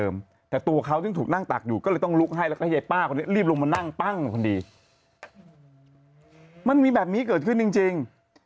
มันมีแบบนี้เกิดขึ้นจริง